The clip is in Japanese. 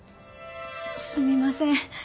すみません。